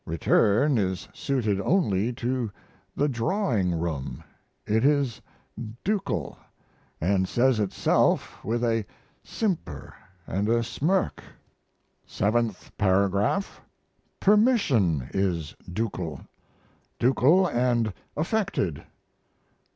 "Return" is suited only to the drawing room it is ducal, & says itself with a simper & a smirk. Seventh Paragraph. "Permission" is ducal. Ducal and affected.